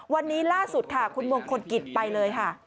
วันนี้ล่าสุดค่ะคุณมงคลกิจไปเลยค่ะ